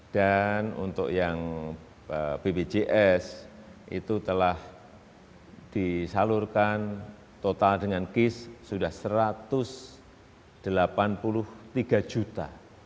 dan untuk yang bpjs itu telah disalurkan total dengan kis sudah satu ratus delapan puluh tiga juta